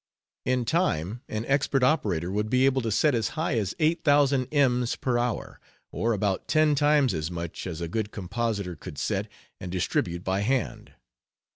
In time an expert operator would be able to set as high as eight thousand ems per hour, or about ten times as much as a good compositor could set and distribute by hand.